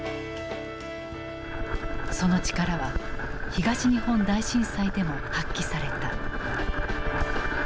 その力は東日本大震災でも発揮された。